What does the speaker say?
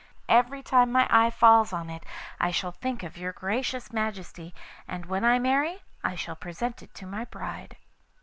Every time my eye falls on it I shall think of your gracious Majesty, and when I marry I shall present it to my bride.